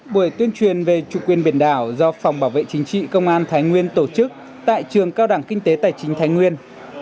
buổi tuyên truyền về chủ quyền biển đảo do phòng bảo vệ chính trị công an thái nguyên tổ chức tại trường cao đẳng kinh tế tài chính thái nguyên